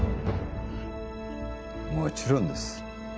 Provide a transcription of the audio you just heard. もちろんです